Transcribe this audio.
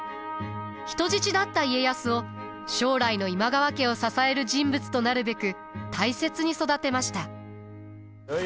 人質だった家康を将来の今川家を支える人物となるべく大切に育てました。